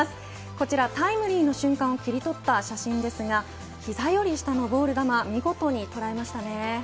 こちら、タイムリーの瞬間を切り取った写真ですが膝より下のボール球見事に捉えましたね。